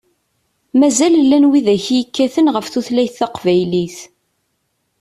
Mazal llan widak i yekkaten ɣef tutlayt taqbaylit.